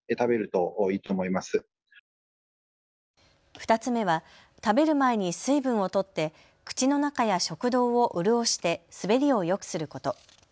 ２つ目は食べる前に水分をとって口の中や食道を潤して滑りをよくすること。